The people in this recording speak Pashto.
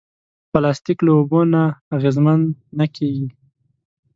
پلاستيک له اوبو نه اغېزمن نه کېږي.